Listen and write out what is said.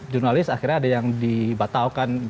jurnalis akhirnya ada yang dibatalkan